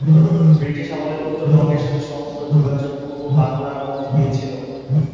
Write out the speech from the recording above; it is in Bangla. ব্রিটিশ আমলে উত্তরবঙ্গের সাথে সমস্ত সংযোগ পূর্ব বাংলার মাধ্য দিয়ে ছিল।